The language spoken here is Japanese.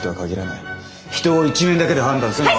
人を一面だけで判断するのは。